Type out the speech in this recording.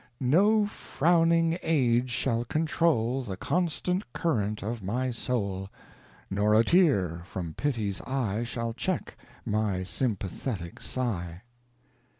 No frowning age shall control The constant current of my soul, Nor a tear from pity's eye Shall check my sympathetic sigh.